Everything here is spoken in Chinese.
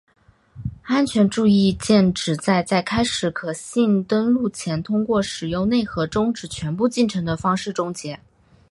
安全注意键旨在在开始可信登录前通过使内核终止全部进程的方式终结。